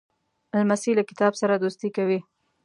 لمسی له کتاب سره دوستي کوي.